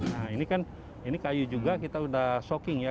nah ini kan ini kayu juga kita sudah shocking ya